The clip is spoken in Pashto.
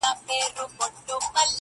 كه هر چا كړ دا گيند پورته زموږ پاچا دئ٫